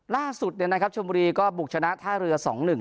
ล่าสุดเนี่ยนะครับชมบุรีก็บุกชนะท่าเรือสองหนึ่ง